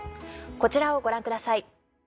こちらをご覧ください。